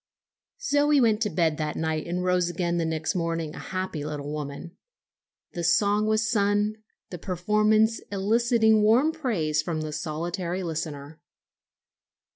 Zoe went to bed that night and rose again the next morning a happy little woman. The song was sung, the performance eliciting warm praise from the solitary listener.